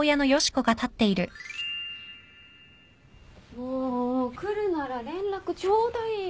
・もう来るなら連絡ちょうだいよ。